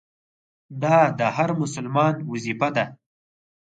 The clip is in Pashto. دا د هر مسلمان وظیفه ده.